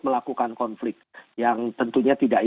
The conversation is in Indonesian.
melakukan konflik yang tentunya